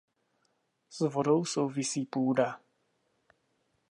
S vodou souvisí půda.